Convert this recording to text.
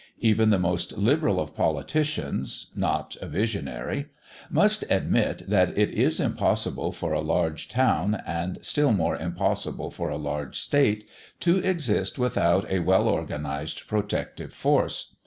Even the most liberal of politicians not a visionary must admit, that it is impossible for a large town, and still more impossible for a large state, to exist without a well organised protective force.